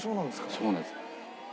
そうなんです。